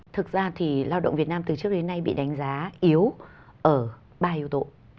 thực ra thì lao động việt nam từ trước đến nay bị đánh giá yếu ở ba yếu tố